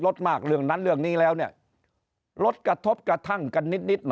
รถมากเรื่องนั้นเรื่องนี้แล้วเนี่ยรถกระทบกระทั่งกันนิดนิดหน่อย